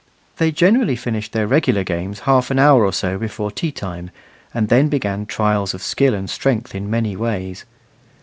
They generally finished their regular games half an hour or so before tea time, and then began trials of skill and strength in many ways.